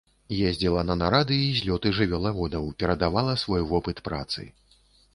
Ездзіла на нарады і злёты жывёлаводаў, перадавала свой вопыт працы.